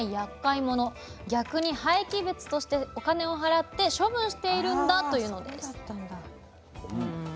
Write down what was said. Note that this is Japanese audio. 逆に廃棄物としてお金を払って処分しているんだというのです。